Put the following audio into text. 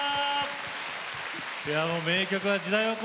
いやもう名曲は時代を超えますね。